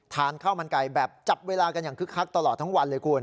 ทานข้าวมันไก่แบบจับเวลากันอย่างคึกคักตลอดทั้งวันเลยคุณ